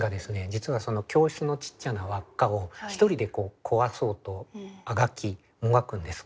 実は教室のちっちゃなわっかを一人で壊そうとあがきもがくんです。